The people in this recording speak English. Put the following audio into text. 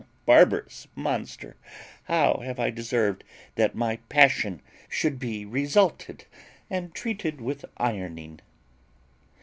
Barbarous monster! how have I deserved that my passion should be resulted and treated with ironing?"